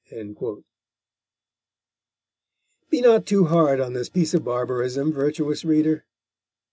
_" Be not too hard on this piece of barbarism, virtuous reader!